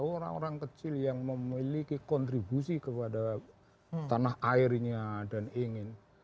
orang orang kecil yang memiliki kontribusi kepada tanah airnya dan ingin